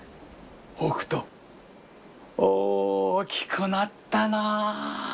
北斗大きくなったなあ。